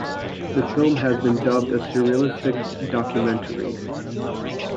The film has been dubbed a "surrealistic documentary".